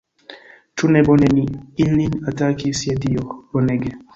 Ĉu ne bone ni ilin atakis, je Dio, bonege!